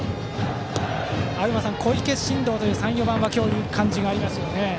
青山さん小池、真藤という３、４番は今日いい感じがありますね。